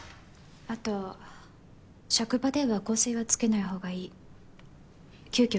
あと職場では香水はつけない方がいい急きょ